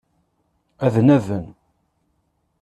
Ad naḍen.